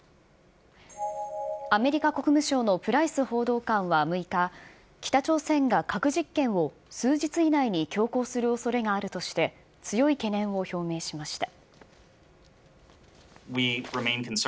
アメリカ国務省のプライス報道官は６日、北朝鮮が核実験を数日以内に強行するおそれがあるとして、強い懸念を表明しました。